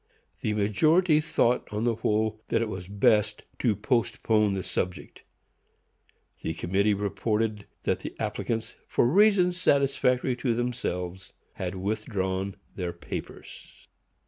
The majority thought, on the whole, that it was best to postpone the subject. The committee reported that the applicants, for reasons satisfactory to themselves, had withdrawn their papers.